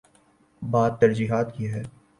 بات ترجیحات کی ہے۔